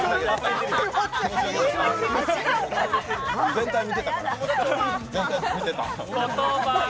全体見てたから。